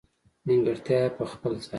نېمګړتیا یې په خپل ځای.